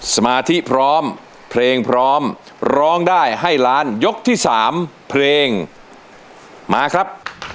สมาธิพร้อมเพลงพร้อมร้องได้ให้ล้านยกที่๓เพลงมาครับ